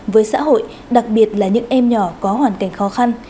với xã hội đặc biệt là những em nhỏ có hoàn cảnh khó khăn